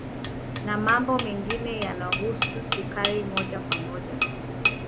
Na mambo mengine yasiyohusu sukari moja kwa moja